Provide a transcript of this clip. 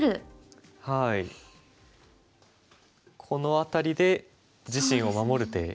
この辺りで自身を守る手。